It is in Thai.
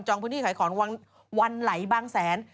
พื้นที่ขายของวันไหลบางแสน